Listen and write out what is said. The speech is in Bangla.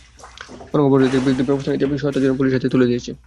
বরং অপরাধীদের বিরুদ্ধে ব্যবস্থা নিতে সহায়তার জন্য পুলিশের হাতে তুলে দিয়েছে।